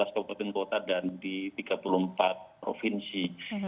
di lima ratus empat belas kabupaten kota dan di tiga puluh empat provinsi